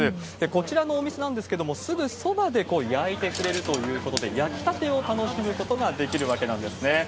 こちらのお店なんですけれども、すぐそばで焼いてくれるということで、焼きたてを楽しむことができるわけなんですね。